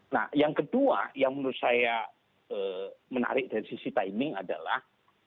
nah yang kedua yang menurut saya menarik dari sisi timing adalah